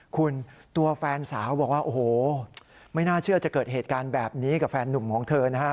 คุณตัวแฟนสาวบอกว่าโอ้โหไม่น่าเชื่อจะเกิดเหตุการณ์แบบนี้กับแฟนนุ่มของเธอนะครับ